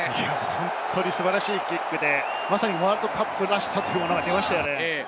本当に素晴らしいキックで、ワールドカップらしさが出ましたね。